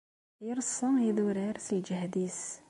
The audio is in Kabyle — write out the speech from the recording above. Ireṣṣa idurar s lǧehd-is.